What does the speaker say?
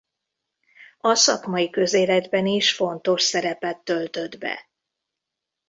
A szakmai közéletben is fontos szerepet töltött be.